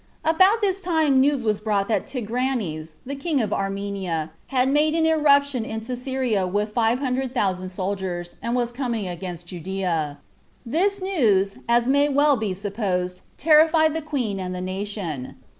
4. About this time news was brought that Tigranes, the king of Armenia, had made an irruption into Syria with five hundred thousand soldiers, 45 and was coming against Judea. This news, as may well be supposed, terrified the queen and the nation.